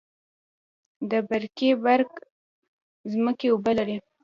د برکي برک ځمکې اوبه لري